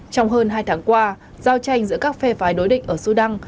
trong hơn hai tháng qua giao tranh giữa các phe phái đối định ở sudan